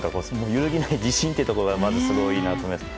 揺るぎない自信というところがすごいなと思います。